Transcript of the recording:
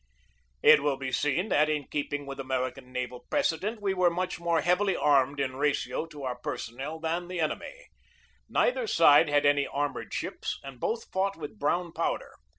It will be seen that, in keeping with American naval precedent, we were much more heavily armed in ratio to our personnel than the enemy. Neither side had any armored ships and both fought with brown powder.